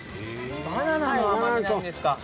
バナナの甘みなんですか。